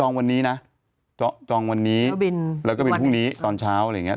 วันนี้นะจองวันนี้แล้วก็บินพรุ่งนี้ตอนเช้าอะไรอย่างเงี้